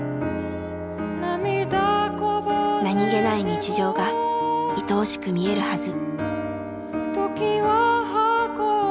何気ない日常がいとおしく見えるはず。